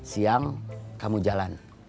siang kamu jalan